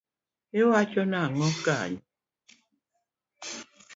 Iwacho nango kanyo.